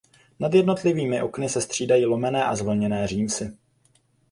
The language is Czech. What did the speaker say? Nad jednotlivými okny se střídají lomené a zvlněné římsy.